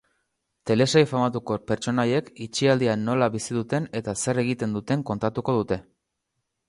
Telesail famatuko pertsonaiek itxialdia nola bizi duten eta zer egiten duten kontatuko dute.